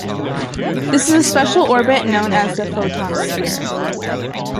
This is a special orbit known as the photon sphere.